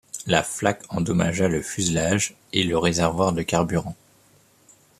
La flak endommagea le fuselage et le réservoir de carburant.